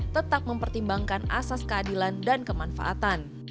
tetap mempertimbangkan asas keadilan dan kemanfaatan